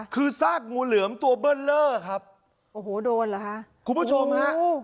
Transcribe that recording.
คือซากงูเหลือมตัวเบิ้ลเลอร์ครับโอ้โหโดนเหรอฮะคุณผู้ชมฮะ